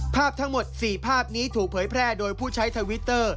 ภาพทั้งหมด๔ภาพนี้ถูกเผยแพร่โดยผู้ใช้ทวิตเตอร์